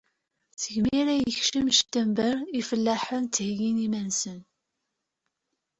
Segmi ara yekcem cṭember, ifellaḥen ttheyyin iman-nsen.